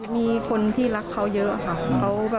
มีคนที่รักเขาเยอะค่ะ